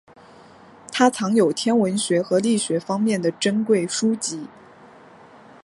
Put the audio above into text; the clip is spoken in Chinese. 他藏有天文学和力学方面的珍贵书籍。